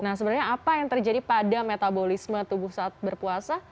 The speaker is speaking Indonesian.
nah sebenarnya apa yang terjadi pada metabolisme tubuh saat berpuasa